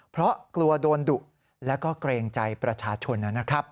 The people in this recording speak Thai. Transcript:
เพราะกลัวโดนดุแล้วก็เกรงใจประชาชนนะครับ